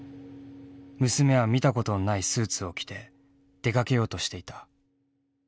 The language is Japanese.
娘は見たことのないスーツを着て出かけようとしていた。